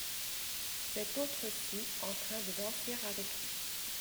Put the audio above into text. Cette autre-ci en train de danser avec lui !